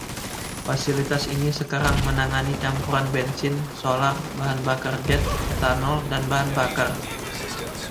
Fasilitas ini sekarang menangani campuran bensin, solar, bahan bakar jet, etanol, dan bahan bakar.